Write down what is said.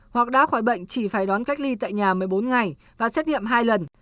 hoặc đã khỏi bệnh chỉ phải đón cách ly tại nhà một mươi bốn ngày và xét nghiệm hai lần